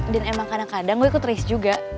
dan emang kadang kadang gue ikut race juga